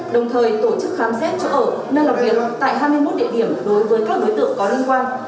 đồng thời tổ chức khám xét chỗ ở nơi làm việc tại hai mươi một địa điểm đối với các đối tượng có liên quan